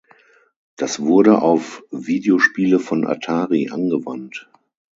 Das wurde auf Videospiele von Atari angewandt.